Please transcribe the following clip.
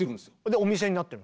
お店になってます。